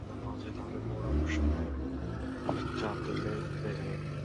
যদি না পাওয়া যায়, তাহলে মোর অপশনে চাপ দিলেই পেয়ে যাবেন।